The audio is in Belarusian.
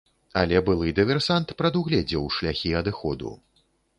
Але былы дыверсант прадугледзеў шляхі адыходу.